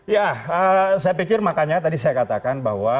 ya saya pikir makanya tadi saya katakan bahwa